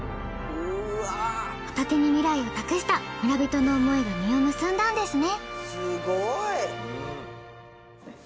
ホタテに未来を託した村人の思いが実を結んだんですね。